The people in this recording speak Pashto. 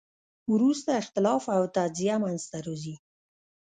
وروسته اختلاف او تجزیه منځ ته راځي.